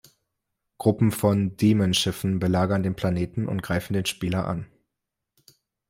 Gruppen von Demon-Schiffen belagern den Planeten und greifen den Spieler an.